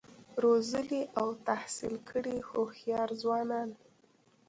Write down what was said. روزلي او تحصیل کړي هوښیار ځوانان